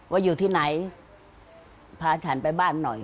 ว่าอยู่ที่ไหนพาฉันไปบ้านหน่อย